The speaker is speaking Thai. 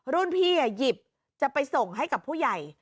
รุ่นพี่หยิบจะไปส่งให้กับผู้ใหญ่